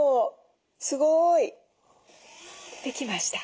すごい！出てきました。